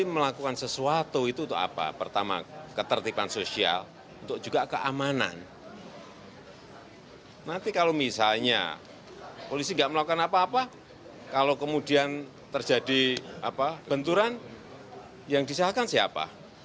melakukan apa apa kalau kemudian terjadi benturan yang disahakan siapa